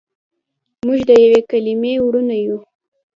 موږ دیوې کلیمې وړونه یو.